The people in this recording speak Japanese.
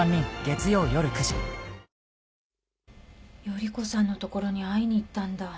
依子さんの所に会いに行ったんだ。